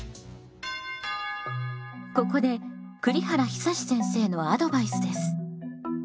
ここで栗原久先生のアドバイスです。